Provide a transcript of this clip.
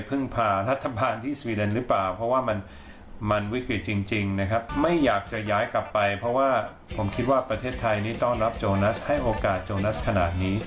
เพราะว่าผมคิดว่าประเทศไทยนี่ต้องรับโจนัทให้โอกาสโจนัทขนาดนี้